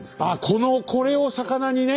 このこれをさかなにね。